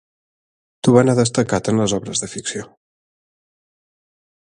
Thuban ha destacat en les obres de ficció.